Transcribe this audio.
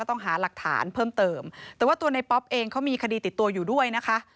ต้องหาหลักฐานเพิ่มเติมแต่ว่าตัวในป๊อปเองเขามีคดีติดตัวอยู่ด้วยนะคะ